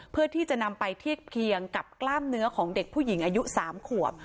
เพื่อที่จะนำไปเทียบเคียงกับกล้ามเนื้อของเด็กผู้หญิงอายุ๓ขวบ